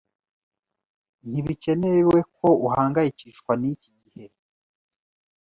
Ntibikenewe ko uhangayikishwa niki gihe.